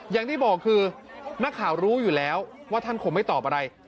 อย่างที่บอกคือนักข่าวรู้อยู่แล้วว่าท่านคงไม่ตอบอะไร